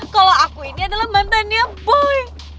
kalo aku ini adalah mantannya boy